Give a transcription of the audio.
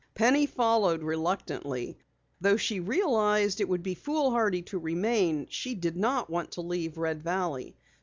Penny followed reluctantly. Though she realized that it would be foolhardy to remain, she did not want to leave Red Valley.